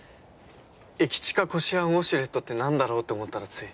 「駅近こしあんウォシュレット」って何だろうって思ったらつい。